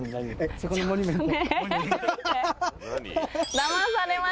そこのモニュメント。